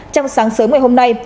trong sáng sớm ngày hôm nay